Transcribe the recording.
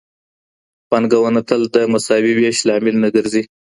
پانګونه تل د مساوي ويش لامل نه ګرځي.